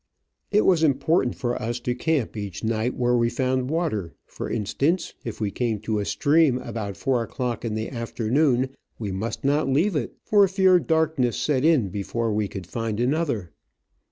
It was important for us to camp each night where we found water — for instance, if we came to a stream about four o'clock in the afternoon we must not leave it, for fear darkness set in before we could find another.